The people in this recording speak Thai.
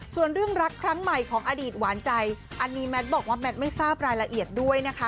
ส่วนเรื่องรักครั้งใหม่ของอดีตหวานใจอันนี้แมทบอกว่าแมทไม่ทราบรายละเอียดด้วยนะคะ